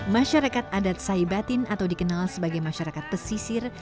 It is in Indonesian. masyarakat adat saibatin atau dikenal sebagai masyarakat pesisir